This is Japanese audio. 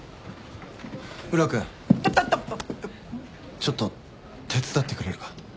ちょっと手伝ってくれるか？